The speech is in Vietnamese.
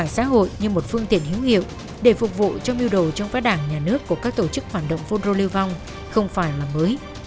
xã hội như một phương tiện hữu hiệu để phục vụ cho mưu đồ chống phá đảng nhà nước của các tổ chức phản động phun rô lưu vong không phải là mới